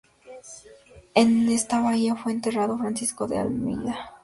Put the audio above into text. En esta bahía fue enterrado Francisco de Almeida.